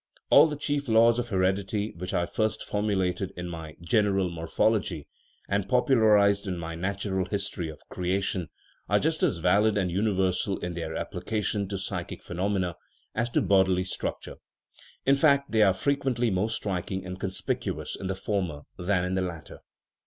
All the chief laws of heredity which I first formulated in my General Morphology, and pop ularized in my Natural History of Creation, are just as valid and universal in their application to psychic phe nomena as to bodily structure in fact, they are fre quently more striking and conspicuous in the former than in the latter.